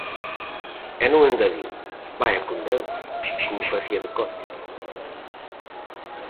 E non engadiu "Vaia con Deus!", como facía decote.